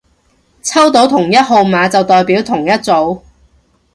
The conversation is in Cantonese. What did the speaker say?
抽到同一個號碼就代表同一組